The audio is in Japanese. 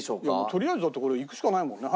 とりあえずだってこれいくしかないもんね。